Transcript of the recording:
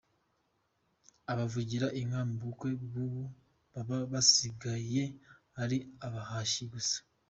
Abavugira inka mu bukwe bw’ubu baba basigaye ari abahashyi gusa